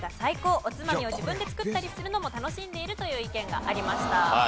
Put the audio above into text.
おつまみを自分で作ったりするのも楽しんでいるという意見がありました。